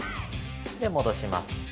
で、戻します。